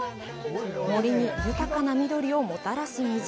森に豊かな緑をもたらす水。